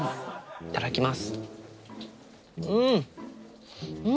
いただきます。